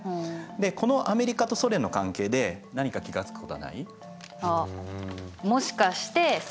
でこのアメリカとソ連の関係で何か気が付くことはない？